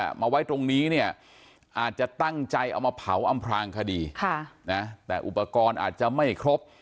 มาไว้ตรงนี้เนี่ยอาจจะตั้งใจเอามาเผาอำพลางคดีค่ะนะแต่อุปกรณ์อาจจะไม่ครบ